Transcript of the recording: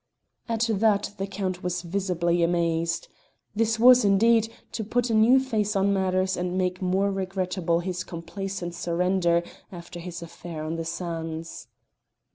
At that the Count was visibly amazed. This was, indeed, to put a new face on matters and make more regrettable his complacent surrender after his affair on the sands.